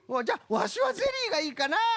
じゃワシはゼリーがいいかな。